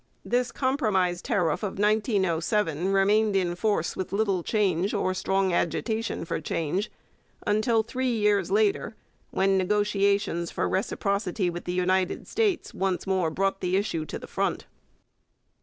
This compromise tariff of 1907 remained in force with little change or strong agitation for change until three years later, when negotiations for reciprocity with the United States once more brought the issue to the front.